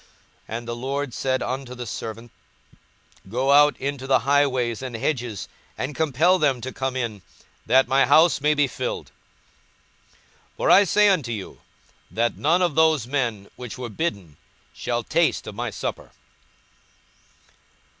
42:014:023 And the lord said unto the servant, Go out into the highways and hedges, and compel them to come in, that my house may be filled. 42:014:024 For I say unto you, That none of those men which were bidden shall taste of my supper.